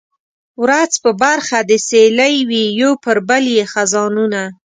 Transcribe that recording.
ورځ په برخه د سیلۍ وي یو پر بل یې خزانونه